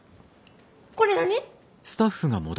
これ何？